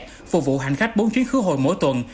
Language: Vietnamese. phục vụ hành khách bốn chuyến khứa hồi mỗi tuần